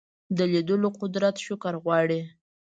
د لیدلو قدرت شکر غواړي